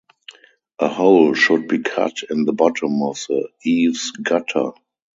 A hole should be cut in the bottom of the eaves-gutter.